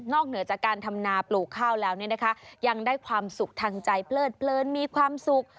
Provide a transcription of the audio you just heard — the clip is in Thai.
นอกเหนือจากการทำนาปลูกข้าวแล้วยังได้ความสุขทางใจเปลือดมีความสุข